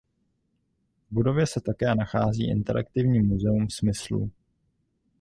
V budově se také nachází interaktivní Muzeum Smyslů.